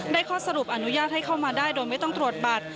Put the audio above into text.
ข้อสรุปอนุญาตให้เข้ามาได้โดยไม่ต้องตรวจบัตร